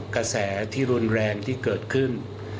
กระแสที่รุนแรงที่เกิดขึ้น